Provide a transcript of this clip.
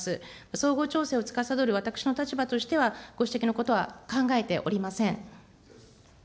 総合調整をつかさどる私の立場としては、ご指摘のことは考えておりません。